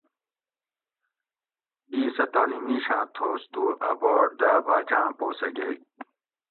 اِیس اۤ تانی مِیشاۤں تھوس تُو اۤ باٹ داۤ باۤچاۤں پو سہۤ گئ